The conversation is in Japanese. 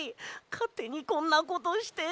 かってにこんなことして。